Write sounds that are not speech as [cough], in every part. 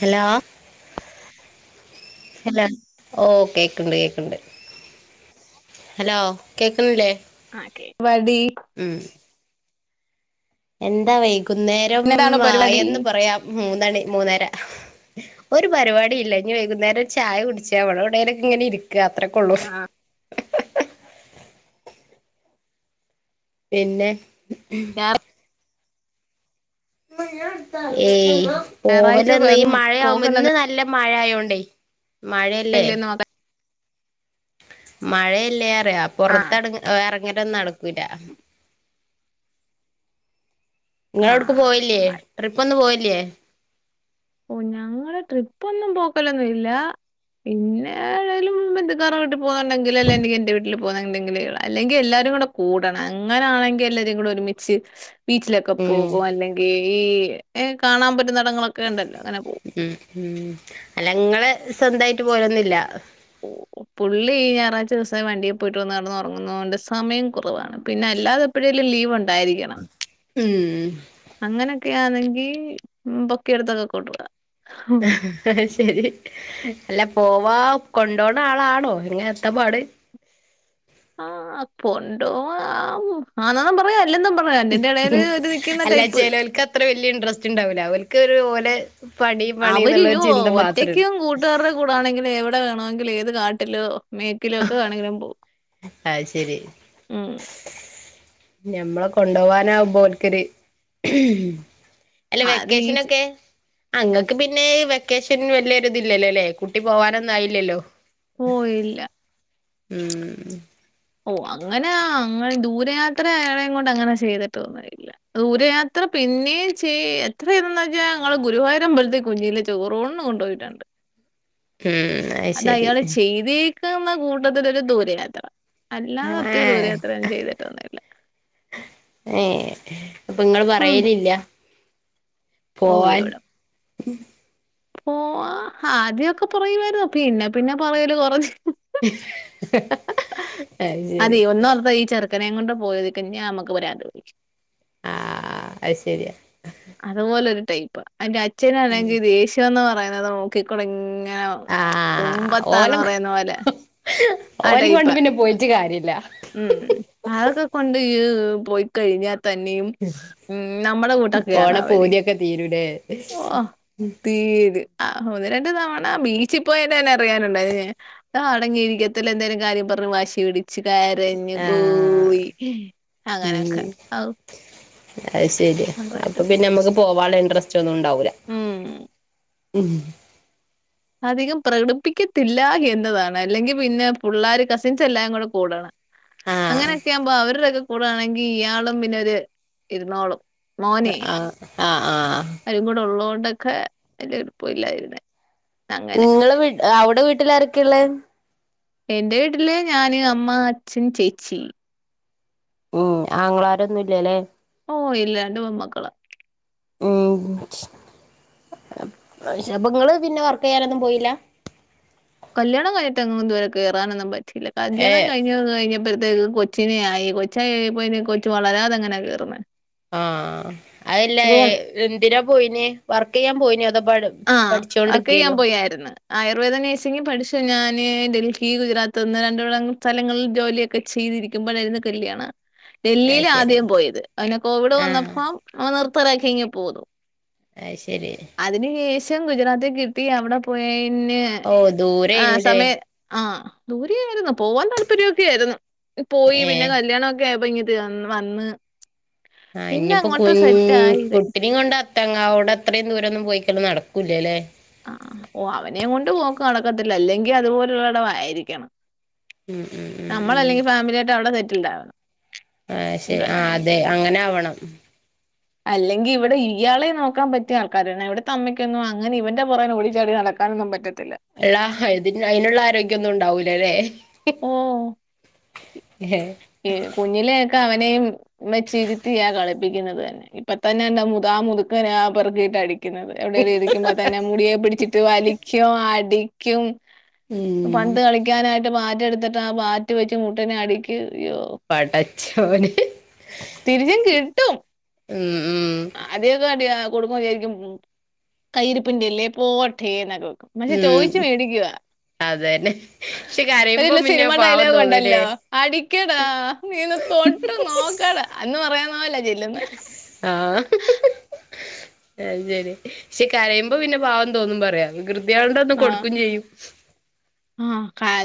Hello ല ഓ കേക്കണ്ട് കേക്കുണ്ട് ഹലോ കേക്കുന്നില്ലേ? മതി. എന്താ വൈകു കുന്നേരം ഇന്നതാണോ പരിപാടി ആയന്ന് പറയാം. മൂന്നണി മൂന്നര ഒരു പരിപാടി ഇല്ല ഇനി വൈകുന്നേരം ചായ കുടിച്ചാ അവിടെ ഇവിടെലൊക്കെ ഇങ്ങനെ ഇരി യാത്രക്കള്ളൂ. ആഹ് പിന്നെ? ഞാ ഏയ് ഞായറാഴ്ച പോകലൊന്നു ഈ എങ്ങും മഴയാവുമ്പോ ഇന്ന് പോക്കല്ലെന്നല്ലേന്ന് നല്ല മഴ ആയോ തെയ് മഴല്ലേ? മക്ക മഴയല്ലിയോ യാ പെറത്ത ആഹ് ടെങ്ങി ഇറങ്ങിട്ടെന്നു നടക്കൂല. നിങ്ങ അവിടക്ക് പോയില്ലേ? ആഹ് ട്രിപ്പ് ഒന്നും പോയി ല്ലേ? ഓ ഞങ്ങള് ട്രിപ്പ് ഒന്നും പോക്കലൊന്നും ഇല്ല. പിന്നെ ഏതേലും ബന്ധുക്കാരുടെ വീ പോവാെങ്കിൽ അല്ലെ എനിക്ക് എന്റെ വീട്ടിലും പോ എന്തെങ്കില് അല്ലെങ്കിൽ എല്ലാരും കൂടെ കൂടണം അങ്ങനൊണെങ്കിൽ എല്ലാരും കൂടെ ഒരുമിച്ച് ബീച്ചിലൊക്കെ ഉം പോകും. അല്ലെങ്കി ഈ ഏ കാണാൻ പറ്റന്നിടം ഉം ഉം അല്ലങ്ങള് സ്വന്തായിട്ട് പോയൊന്നില്ല. ഓ പുള്ളി ഞായറാഴ്ച ദിവസം വണ്ടിയെ പോയിട്ട് വന്ന് കിടന്ന് ഉറങ്ങുന്ന കൊണ്ട് സമയം കുറവാണ്. പിന്നെ അല്ലാതെ എപ്പളേലും ലീവ് ഉ ണ്ടായിരിക്കണം. ഉം. അങ്ങനൊക്കെയാണെങ്കി പൊക്കിയെടുത്തൊക്കെ കൊണ്ടുപോകാം. ശരി. അല്ല പോവാ കൊണ്ടപോണ ആളാണോ? ഇങ്ങനത്തെപാട്. ആ കൊണ്ടുപോകാൻ ആന്നെന്നു പറയും അ അല്ലെന്നും പറയാ. ഇതിന്റെ ഇടേല് ഒരു നിക്കുന്ന അല്ല ടൈപ്പ്. ചെലോൽക്ക് അത്ര വല്യ ഇൻട്രസ്റ്റ് ഇണ്ടാവില അവൽക്ക് ഒരു ഓലെ പണി പണി അവര് എന്നുള്ള ഒരു യോ ചിന്ത മാത്രം ഒറ്റക്കും കൂട്ടുകാരുടെ കൂടെ ആണെങ്കിലും എവിടെ വേണോ ങ്കില്ഏത് കാട്ടിലോ മേക്കിലേക്കൊ ആണെങ്കിലും പോകും ആ ശരി ഞമ്മളെ കൊണ്ടുപോവാനാവുമ്പോൾക്കിന് അല്ല അത് ഈ വെക്കേഷനൊക്കെ അങ്ങക്ക് പിന്നെ വെക്കേഷൻ വല്യൊരു ഇതില്ലല്ലല്ലെ കുട്ടി പോവാനൊന്നും ആയില്ലല്ലോ ഓ ഇല്ല ഉം ഓ അങ്ങനെ അങ്ങ ദൂരയാത്ര ആളേം കൊണ്ട് അങ്ങനെ ചെയ്തിട്ട് ഒന്നും ഇല്ല ദൂരയാത്ര പിന്നേം ചെയ് എത്രന്ന് വെച്ചാ ഞങ്ങള് ഗുരുവായൂര അമ്പലത്തേ കുഞ്ചിയിലെ ചോറൂണിന് കൊണ്ട് പോയിട്ടൊണ്ട് ഉം ഐ ശരി ക്ക്ന്ന് കൂട്ടത്തില് ഒരു ദൂര യാത്ര ആഹ ഏ അപ്പൊ ഇങ്ങള് ഉം. പറയലില്ല പോവാൻ പോ ആ ആദ്യ ഒക്കെ പറയുവായിരുന്നു പിന്നെ പിന്നെ പറയല് കൊറഞ്ഞ് [unintelligible] അത് ശരി അതെ ഒന്നോർത്താ ഈ ചെറ് ത്രേം കൊണ്ട് പോയിത്ക്ക് അന്ന്യാ അമ്മക്ക് വരാം തോന്നീല്യാ ആ ഐ ശരിയാ അതുപോലൊരു ടൈപ്പാ ആന്റെ അച്ഛനാണെങ്കി ദേഷ്യോന്ന് പറയാ [unintelligible] നോക്കിക്കൊടങ്ങാ ങ്ങൗ ആഹ് തുമ്പത്താന്ന് ഓല പറയുന്ന പോലെ ആ ഓലിം കൊണ്ട് ടൈപ്പാ പിന്നെ പോയിട്ട് കാര്യല്ല ഇമ് അതക്കകൊണ്ട് യ് പോയ് കഴിഞ്ഞാ തന്നെയും ഉം നമ്മടെ കൂട്ട ഓണ പൂതിയൊക്കെ തീരു കെ ഓഹ് തീര് ആ ആ ഒന്ന് രണ്ട് തവണ ബീച്ചി പോയേൻ്റെന്നെ അറിയാനുണ്ടായി [unintelligible] അടങ്ങിയിരിക്കത്തില്ല എന്തേലും കാര്യം പറഞ്ഞ് വാശി പിടി ച്ച് കരഞ്ഞ് ആഹ് കൂവി അങ്ങനെ അക്കെ ഔ അയ് ശരിയാ അപ്പൊ പറയായിട്ട് പിന്നെ അമ്മക്ക് പോവാള്ള ഇൻട്രസ് ഒന്നും ഉണ്ടാവില്ല ഉം. ഉ അധികം പ്രകടിപ്പിക്കത്തില്ല എന്നതാണ് അല്ലെങ്കിൽ പിന്നെ പിള്ളേർ കസിൻസ് എല്ലാം കൂടെ കൂടണം ആഹ് അങ്ങനെയൊക്കെയ ആവുമ്പോ അവരുടെൊക്കെ കൂടാണെങ്കിൽ ഇയാളും പിന്നെ ഒരു ഇരുന്നാളും ആഹ് ആഹ് ആഹ് ക്കെ അതിന്റെ എളപ്പില്ലായിനെ നിങ്ങള അവിടെ വീട്ടിൽ ആരൊക്കെയള്ളേ എറെ വീട്ടില് ഞാന് അമ്മ അച്ഛൻ ചേച്ചി ഉം ആങ്ങളാരൊന്നുംല്ലല്ലേ ഓഹ് ഇല്ല രണ്ട് പെമ്മക്കള ഉം അപ്പങ്ങള് പിന്നെ വർക്ക് ചെയ്യാനൊന്നും പോയില്ല കല്യാണം കഴിഞ്ഞിട്ട് എങ്ങും ഇതുവരെ കയറാനൊന്നും പ റ്റില്ല ഏ കല്യാണം കഴിഞ്ഞു കഴിഞ്ഞ കൊച്ചിനെ ആയി കൊച്ചായി കൊച്ചു വളരാതെങ്ങനെയാ കേറന്ന ആഹ് അതല്ലേ എന്തിനാ പോയിന് വർക്ക് ചെയ്യാൻ പോയിന അതൊ ആഹ്വർക്ക് ചെയ്യാൻ പോയായിരുന്നു ആയുർവേദംഴച്ചെങ്കി പഠിച്ചു ഞാാന് ഡൽഹി ഗുജറാത്ത്ന്ന് രണ്ട വടം സ്ഥലങ്ങളിൽ ജോലിയൊക്കെ ചെയ്തിരിക്കുമ്പോരുന്ന് കല്യാണം അത് ഡൽഹിൽ ശരി ആദ്യം പോയത് അവനെ കോവിഡ് ആഹ് വന്നപ്പോ അവ നിർ പറക്കി ഇങ്ങങ് പോന്നു അയ്ശ അതിന് ശേഷം ൻ ഗുജറാത്തി കിട്ടി അവിടെ പോയി പിന്നെ ഓ ആഹ് ദൂരേനുല്ലേ സമയ ആന് ദൂരെയായിരുന്നു പോകാൻ താല്പര്യമൊക്കെ ആയിരുന്നു പോയി ഏ പിന്നെ കല്യാണം ഒക്കെ ആയി ത്ത് അന്ന് വന്ന് ആഹ് പിന്നെ ഇഞ്ഞ്പ്പം കു അങ്ങോട്ട് സെറ്റ് ആയില്ലേ കുട്ടിനും കൊണ്ടാ ട്ടങ്ങാവുടെ അത്രയും ദൂരൊന്നും പോയിക്കല് നടക്കൂല്ലല്ലേ ആഹ് ഓഹ് അവനെയിം കൊണ്ട് പോക്ക് നടക്കത്തില്ല. അല്ലെങ്കി അതുപോലുള്ള എടവായിരിക്കണം ഉം ഉം നമ്മളല്ലെങ്കി ഫാമിലിയായിട്ട് അവടെ സെ റ്റില് ഇണ്ടാവണം ആഹ് ശെ ആഹ് അതെ അങ്ങനാവണം അല്ലെങ്കി ഇവടെ ഇയ്യാളെ നോക്കാ പറ്റിയ ആൾക്കാരനെ ഇവിട്ത്ത അമ്മയ്ക്കൊന്നും അങ്ങനെ ഇവന്റെ പൊറേന ഓടിച്ചാടി നടക്കാനൊന്നും പറ്റ ള്ളാ ഹയ്ദിന് അയിനുള്ള ആരോഗ്യൊന്നും ഉണ്ടാവൂ ല്ലല്ലേ ഓഹ് ഈ കുഞ്ഞിലെക്കെ അവനെയും മെച്ച് ഇരുത്തിയാ കളിപ്പിക്ക്ന്നത് തന്നെ. ഇപ്പം തന്നെ കണ്ടോ മുഖാ മുതുക്കനെ ആഹ് പെറക്കീട്ട് അടി ക്ക്ന്നത് എവിടെലും ഇരിക്കുമ്പ തന്നെ മുടിയെ പിടിച്ചിട്ട് വലിക്കോ അടി ക്കും ഉം പന്ത് കളിക്കാനായി ാ എടുത്തിട്ട് ആ ബാറ്റ് വെച്ച് മുട്ടനെ അടക്ക് അയ്യോ പടച്ചോനെ തിരിച്ചും കിട്ടും ഉം ഉം അതേ ഗടിിയ കൊടുക്കോരിക്കും കൈരിപ്പിണ്ടില്ലേ പോട്ടേനക്കെ പക്ഷെ ചോദിച്ചു ഉം മേടിക്കവാ അതന്നെ പക്ഷെ കരയുമ്പോ ഒരുല്ല പിന്നെ സിനിമ പാവം ഡയലോഗ തോന്നൂലേ ഉണ്ടല്ലോ അടിക്കടാ നീന്ന് തൊട്ട് നോക്കടാ എന്ന് പറയാൻ ആാല ജല്ലന്ന് അ ശരി പക്ഷെ കരയുമ്പോ പിന്നെ പാവം തോന്നും പറയാൃ അത്കണ്ട ഒന്ന് ആഹ്. കൊടുക്കയും ചെയ്യും ആഹ്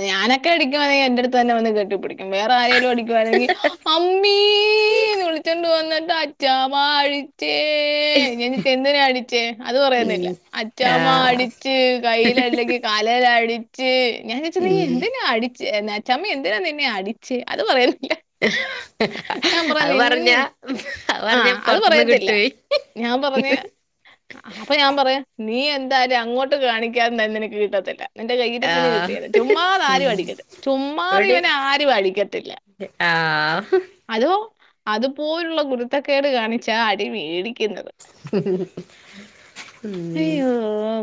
ഞാനൊക്കെ എടിക്കവാെ എന്റെറടുത്ത് തന്നെ വന്ന് കേട്ടി പിടിക്ക വേറെ ആേലും ണങ്കി അ മീ വിളിച്ചണ്ട വന്നിട്ട് അച്ചാമാഡി േ ഞിട്ട് എന്തിനാ അടിച്ചേ അത് പറയാുന്നില്ല ഉം അച്ഛാമ്മ ആഹ് അടിച്ച് കായില് അല്ലെങ്കി കാലേൽ അടിച്ച് ഞാൻ വെച്ചിെ ഉം എന്തിനാ അടി ചമ്മ എന്തിനാ നിന്നെ അടിച്ച് അത് പറയ അത് നിൻ പറഞ്ഞ അത് പറഞ്ഞ ആഹ് അത് പുറത്തന്ന് പറയത്തില്ല. കിട്ടു ഞാൻ പറഞ്ഞ് ആ, അപ്പൊ ഞാൻ പറയാ നീ എന്തായ അങ്ങോട്ട് കാണിക്ക ാ എനിക്ക് കിട്ടത്തില്ല എന്റെ കൈയിട്ട പിന്നെ ആഹ് കിട്ടിയത് ചുമ്മാ ആരും അടിക്കട്ടെ ചുമ്മാത ഇവിടെ ഇവന ആരും അടിക്കത്തില്ല ആഹ് അതോ അതുപോലുള്ള ഗുരുത്തക്കേട് കാണിച്ചാ അടി വേടി ഉം അയ്യോ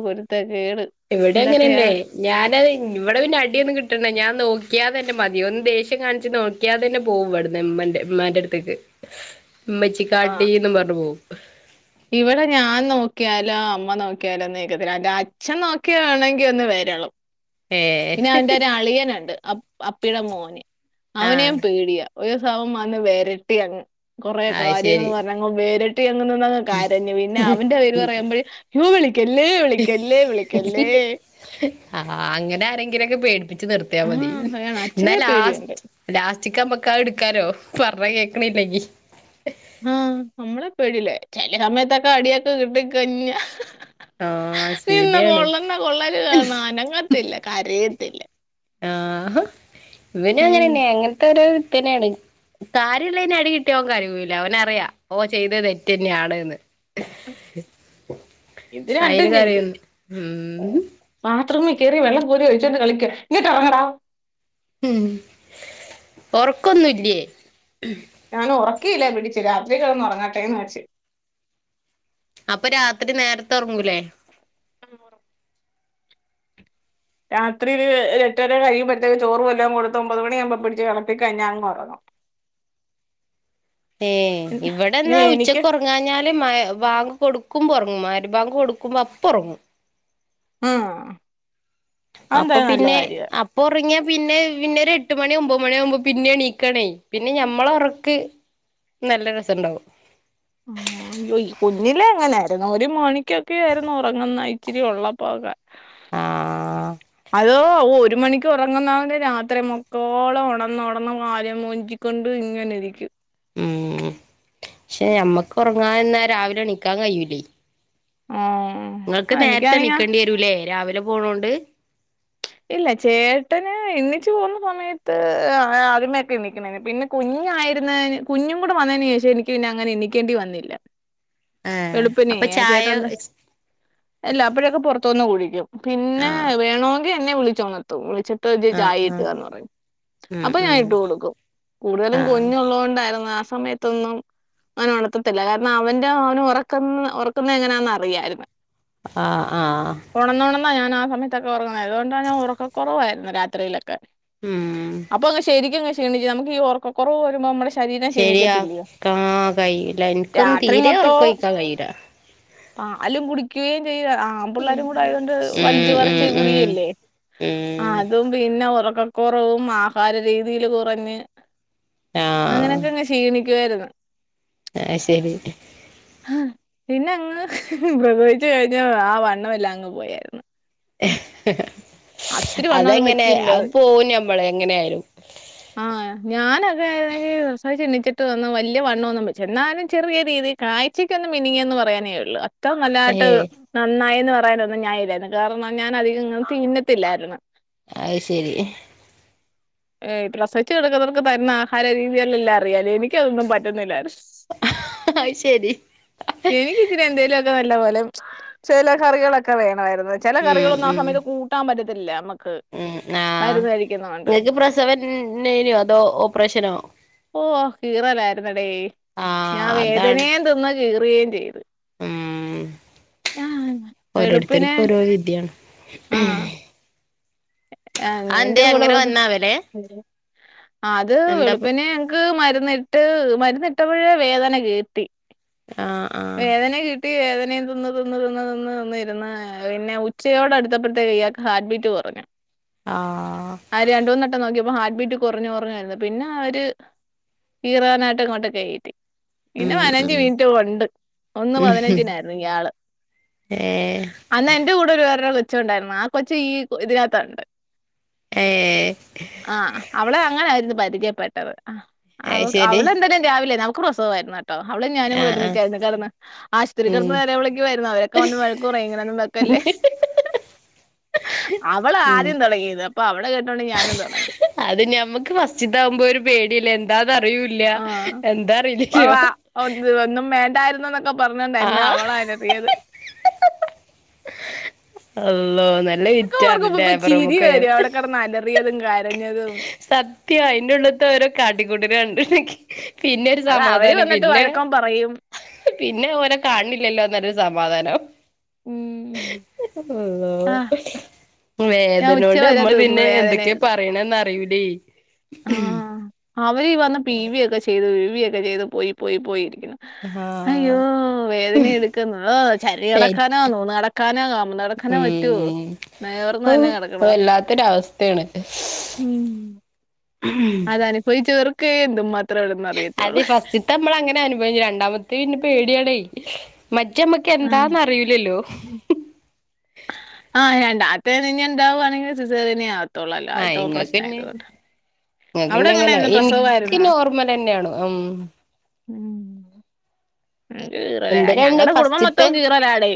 പൊരുത്ത കേട് ഇവിടെ അങ്ങനെയല്ലെ ഞാനത് ഇവിടെ പിന്നെ അടിയൊന്നും കിട്ട ഞാൻ നോക്കിയാതെ്ന്റെ മതിയ ഒന്ന് ദേഷ്യം കാണിച്ച് നോക്കിയാതെ തന്നെ പോകും പടന്ന് എമ്മന്റെ ഉമ്മാന്റെ അടുത്തേക്ക് ആ മ്മച്ചിക്കാട്ടിന്ന്റഞ്ഞു വും അ ഇവിടെ ഞാൻ നോക്കിയാലോ അമ്മ നോക്കിയാലോ ഒന്ന്ക്കത്തി അച്ഛൻ നോക്കിയ വേണെങ്കി ഒന്ന് വരളൂ ഏ പിന്നെ അവന്റെ ഒരു അളിയൻണ്ട് അപ്പിയുടെ മോനെ അവനെയും ആഹ് പേടിയ ഒരു സവം വന്ന് വരട്ടി അങ്ങ് കുറെ അത് കാര്യങ്ങള് ശരി പറഞ്ഞങ്ങ് വെരെ ട്ടി അങ്ങ് നിന്ന് കരഞ്ഞു പിന്നെ അവന്റെ പേര് പറയുമ്പഴേ വിളിക്കല്ലേ വിളിക്കല്ലേ വിളിക്കല്ലേ ആ അങ്ങനെ ആരെങ്കിലൊക്കെ പേടിപ്പി ച്ച് നിർത്തിയ ആ മതി അതാണ് ഇന്ന അച്ഛനെ ലാസ് പേടിയുണ്ട് ലാസ്റ്റ് ചിക്കൻ പക്കാവ് ഇടുക്കാലോ പറൾർഞ്ഞ കേൾക്ക്ണില്ലെങ്കി ആ നമ്മളെ പേടില്ല ചെല സമയത്തൊക്കെ അടിയൊക്കെ കിട്ടി കഞ്ഞ ആഹ് നിന്ന ശരിയാണ് കൊള്ളുന്ന കൊള്ളല് കാണണം അനങ്ങത്തില്ല കരയ ത്തില്ല ആ ഇവനും ഏയ് അങ്ങനെന്നെ അങ്ങൻത്തെ ഒരു തന്നേണ് കാര്യള്ളേന് അടി കിട്ടിയ ഓൻ കരയൂല്ല ഓനറിയാ ഓ ചെയ്തെ തെറ്റെന്ന്യാണ്ന്ന് ഇത് അയിന് രണ്ടും കരയും ഉം ത്റൂം കേറി വള്ളം കോരി ഒഴിച്ചോണ്ട് കളിക്ക ഇങ്ങട്ട് എറങ്ങടാ ഉം ഒറക്കൊന്നുല്ലേ ഞാനൊറ ക്കീല്ല പിടിച്ച് രാത്രി കെടന്ന് ഒറങ്ങട്ടേന്ന് വെച്ച് അപ്പൊ രാത്രി നേരത്തെ ഒർങ്ങൂലേ ആ ഒർ രാത്രീല് എട്ടരെ കഴിയുമ്പഴ്ത്തേ ചോറും വല്ലാം കൊടുത്ത ഒമ്പത് മണിയാമ്പോ പിടിച്ച് കെടതിക്കഴ്ഞ്ഞ അങ്ങ് ഒറങ്ങും ഏ ഇവിടെ ഇന്നാ എനിക്ക് ഉച്ചക്ക് ഒർങ്ങാഞ്ഞാല് മയ് ബാങ്ക് കൊടുക് കുമ്പോ ഒർങ്ങും മയ്രിബാങ്ക് കൊടുക്കുമ്പോ അപ്പൊർങ്ങും ആ അപ്പൊ പിന്നെ അപ്പൊ ഒർങ്ങിയ പിന്നെ പിന്നെ ഒരു എട്ട് മണി ഒമ്പത് മണിയാമ്പോ പിന്നെണീക്കാണേ പിന്നെ ഞമ്മളൊറക്കി നല്ല രസണ്ടാവും ആ യ കുഞ്ഞിലേ അങ്ങനാ ര്ന്നു ഒരു മണിക്കൊക്കെ ആയിരുന്നു ഒറങ്ങുന്നേ ഇച്ചിരി ഉള്ളപ്പോക്കെ ആ ഓ ഒരു മണിക്ക് ഓറങ്ങുന്നവന് രാത്രി മക്കോളം ഒണന്നൊണന്ന് കയം മൊഞ്ചിക്കൊണ്ട് ഇങ്ങനെ ഇരിക്കും ഉം ഷെ ഞമ്മക്ക് ഒറങ്ങാന്നാ രാവിലെ എണിക്കാൻ കയ്യൂലേ നിങ്ങൾക്ക് ആഹ് നേരത്തെ എനിക്കാണെങ്കി എണിക്കേണ്ടി വരൂല്ലേ രാവി ലെ പോണോണ്ട് ഇല്ല ചേട്ടന് എണ്ണിച്ചു പോന്ന സമയത്ത് ആദ്യമെക്കെ എണിക്കണേന്ന് പിന്നെ കുഞ്ഞായിരുന്ന കുഞ്ഞും കൂടെ വന്നേന് ശേഷം എനിക്ക് പിന്നെ അങ്ങനെ എണിക്കേണ്ടി വന്നില്ല ഏഹ് വെളുപ്പിനെ അപ്പൊ ചേട്ട ചായ എന്താ അല്ല അപ്പഴൊക്കെ പുറത്തൂന്ന് കുടിക്കും പിന്നെ ആഹ് വേണോ എന്നെ വിളിച്ചൊണർത്തും വിളിച്ചി ട്ട് ഞ്ചി ആഹ് ചായെട്ട് ആഹ് താന്ന് പറയും ഉം അപ്പൊ ഞാൻ ഉം ഇട്ട് കൊടുക്കും കൂടുതലും ആഹ് കുഞ്ഞുള്ളോണ്ടാർന്ന് ആ സ് സമയത്തൊന്നും അങ്ങനെ ഉണർത്തത്തില്ല കാരണം അവന്റെ അവന ഉറക്കുന്ന ഉറക്കുന്ന എങ്ങനാന്ന് അറിയാര്ന്ന് ആഹ് ആഹ് ഉണന്ന ഉണന്ന് ഞാൻ ആ ന്ട്ടൊക്കെ ഉറങ്ങ അതുകൊണ്ട ഞാൻ ഉറക്ക കുറവായിര്ന്ന് രാത്രിയിലൊക്കെ ഉം അപ്പൊ ഇങ്ങ ശരിക്കുംങ്ങ ഷീണിച് നമക്ക് ഈ ഒറക്ക കുറവ് വരുമ്പ നമ്മടെ ശരിയാക്കാ കഴയില്ല എനിക്കൊന്നും രാത്രി തീരെ മൊത്തവും ഉറക്കോഴിക്കാൻ കയീല പാലും കുടിക്ക ചെയ ആ പിള്ളോരും കൂടെ ആതൊണ്ട് ഉം വലിച്ചു ഉം പറിച്ച് ഉം കുടിക്കും ലെ ഉം അതും പിന്നെ ഒറ ക്ക കുറവും ആഹാര രീതയിൽ കുറഞ്ഞ് അങ്ങനെയൊക്കെ അങ്ങെ ഷീണിച് ക്ക് വാർന്ന് ആഹ ശരി പിന്നെ അങ്ങ് പ്രസവിച് കഴിഞ്ഞ ആ വണ്ണമ എല്ലാം അങ്ങ് പോയായിരുന്നു ഏ അത്തിരി വണ്ണമൊന്നും അതെങ്ങനെ വെച്ചില്ല അ പോകും മ്മള എങ്ങനൊയലും ആഹ് ഞാനൊക്കെപ്രസവ ചിണ്ണിച്ചിട്ട് വന്ന വല്ല്യവണ്ണ ഒന്നും വെച്ചിലാ എന്നാലും ചെറിയ രീതി കാഴ്ചക്ക്ഒന്ന് മിനിങ്ങിയെന്ന് പറയാനേ ഉള്ളു ഇത്തം നല്ലാട്ട് ഏഹ് നന്നായിന്ന് പറ പറാനന്നന്ന് ഞായിരുന്നു കാരണം ഞാൻ അധികം ഇങ്ങനെ തിന്നതില്ലാരുന്നു അത് ശരി ഏ് പ്ലസവച്ച് കിടക്കുന്നവർക്ക് തരുന്ന ആഹാര രീതിയല്ലാം അറിയാല്ലേ എനിക്കതൊന്നും പറ്റന്നില്ലാരുന്നു അത് ശരി എനിക്ക ഇതിരി എന്തെലൊക്കെ നല്ല പോലെ ചില കറികളൊക്കെ വേ ആയിരുന്നു ചില ഉം കറികളോന്നും ആ ഉം സമയത്ത് കൂട്ടാൻ പറ്റില്ല ല്ല മ്മ ഉം ആഹ നിങ്ങക്ക് പ്ര സെവൻൈനോ അതോ ഓപ്പറേഷനോ ഓ കീറലായിരുന്നടേ ഞാൻ ആഹ് അതാണ് വേദനയും തിന്ന കീറുകയും ചെയ്ത് ഉം ആഹ് വെളുപ്പിനെ ഓരോരുത്തർക്കും ഓരോ വിധിയാണ് ആഹ് ആന്നേ എന്റെ അതെന്തേ കൂടെ അങ്ങനെ പ്രസ വന്നാവലെ അത് എന്താ വെളുപ്പിനെ ഞങ്ങക്ക് മരുന്ന് ട്ട് മരുന്നിട്ടപ്പഴേ വേദന കീർത്തി ആഹ് ആഹ് വേദന കിട്ടി വേദനയും തിന്ന് തിന്ന് തിന്ന് തിന്ന് നിന്ന് ഇരുന്ന് പിന്നെ ഉച്ചയോട് അടുത്തപ്പഴ്ത്തേക്കും ഇയാക്ക് ഹാർട്ട് ബീറ്റ് കുറഞ്ഞു ആഹ് ആര് രണ്ട് മൂന്ന്വട്ടം നോക്കിയപ്പം ഹാ ട്ട് ബീറ്റ് കൊറഞ്ഞ് കൊറഞ്ഞ് വരുന്ന്. പിന്ന അവര് കീറാനായിട്ട് അങ്ങോട്ടക്ക് കയറ്റി. പിന്നെ ഉം പയ്നഞ്ച് ഉം മിനിറ്റ് കൊണ്ട് ഒന്ന് ഉം പതിനഞ്ചിനായിരുന്നു ഇയ്യാള്. ഏഹ് അന്ന് എന്റെ കൂടെ ഒരു വേറൊരു കൊ കൊച്ച് ഉണ്ടായിരുന്നു. ആ കൊച്ചും ഈ ഇതിനാ ത്തണ്ട് ഏഹ് ആ അവളെയും അങ്ങനായിരുന്നു. പരിചയപ്പെട്ടത് അത് അവക്ക് ശരി അവള് എന്തായലും രാവിലെ ആയിരുന്നു അവ പ്രസവായിരുന്ന് ട്ടോ അവളും ഞാനും കൂടെ ആഹ് ആഹ് ഒരുമിച്ചായിരുന്നു കെടന്നേ. ആശൂത്രി ഉം കെടന്ന് നെലവിളിക്കുവായിരുന്ന് അവരൊക്കെ വന്ന് വഴക്ക് പറയും ഇങ്ങനൊന്നും വെക്കല്ലേ. ഹ് ആ അവള് ഉം ആദ്യം തൊടങ്ങിയത് അപ്പം അവടെ കെ ട്ടോണ്ട് ഞാനും തൊടങ്ങി അത് ഞമ്മക്ക് ഫസ്റ്റത്തെ ആവുമ്പോ ഒരു പേടിയല്ലേ? എന്താന്ന് അറിയൂല്ല ആ എന്താ അറീൽല്ലോ ണ്ടായിരുന്നെന്ന് ഒക്കെ പറഞ്ഞണ്ടായിരുന്ന് അവളലറിയത് അവ് ഓ നല്ല ഒക്കെ വിറ്റാര്ന്ന് ലേബറൂമൊക്കെ റിയതും കരഞ്ഞതും സത്യം അയിന്റെ ഉള്ളത്തെ ഓരോ കാട്ടിക്കൂട്ടല് കണ്ട് നിക്ക് പിന്നൊരു അത് അവര് സമാധാനം വന്നിട്ട് പിന്നെ വഴക്കം പറയും പിന്നെ ഓനെ കാണണില്ലല്ലോ പറഞ്ഞ് സമാധാനം. ഉം അള്ളോ ആഹ് ഞാൻ ഉച്ച വേദനോണ്ട് വരെ മ്മള് തിന്നു പിന്നെന്തൊക്കെ വേദനയന്ന് പറയണേന്നറി [unintelligible] ആഹ് അവര് വന്ന് പി വി ഒക്കെ ചെയ്ത് പിവിയൊക്കെ ചെയ്ത് പോയി പോയി പോയിര് അയ്യോ ആഹ് വേദന എടുക്കുന്നു. ഓ ചരിഞ്ഞ് കെടക്കാനോ നൂന്ന് കെടക്കാനോ കമന്ന് കെടക്കാനോ പറ്റുവോ ഉം നേർന്ന് ഔ തന്നെ കെടക്കണം. വല്ലാത്തൊരവസ്ഥയാണ് ഉം അതന്പവിച്ചേറും ക്കേ അത് മത് അതെ ഫസ്റ്റ്ത്തെ മ്മള്ങ്ങനെ അനുഭവിച്ചു. രണ്ടാമത്തെ പിന്നെ പേടിയാണേ മറ്റ് മ്മക്ക് ആഹ് എന്താന്നറിയൂലല്ലോ ണ്ടാത്തേ ഇന് ഞ്ഞി ഇണ്ടാവാണെങ്കിൽ സിസേറിയനെന്നേ ആ വത്തോള്ളല്ലോ ആദ്യത്തെ ഓപ്പറേഷനായതോണ്ട് ഇങ്ങക്ക് ഞ്ഞിങ്ങനെ. ഇൻക്ക് നോർമ്മലെന്നെയാണ്. ഉം ഉം ഉം കീറലാ ഇന്റെ രണ്ട് ഞങ്ങടെ കുടുംബം ഫസ്റ്റത്തെ മൊത്തം കീറലാടേ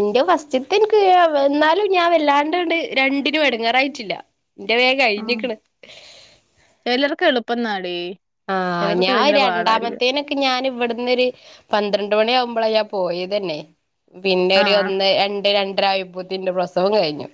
ഇന്റവു ഫസ്റ്റിത്ത് ഇൻക്ക് വന്നാലും ഞാൻ വല്ലാണ്ടാണ്ട് രണ്ടിനും എടങ്ങേറായിട്ടില്ല ഇന്റെ വേം ആഹ് കഴിഞ്ഞിക്ക്ണ് ഇപ്പെന്നാടി ആ ഞാൻ രണ്ടാമത്തേനൊക്കെ ഞാന് ഇവിടന്നൊരു പന്ത്രണ്ട് മണിയാവു മ്പളാ ഞാൻ പോയതന്നെ പിന്നെ ഒരു ആഹ് ഒന്ന് രണ്ട് രണ്ട് രായപ്പൂത്തിന്റെ പ്രസവം കഴിഞ്ഞു